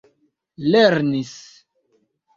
lernis